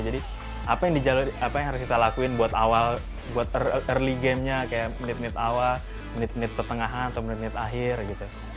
jadi apa yang harus kita lakuin buat awal buat early gamenya kayak menit menit awal menit menit pertengahan atau menit menit akhir gitu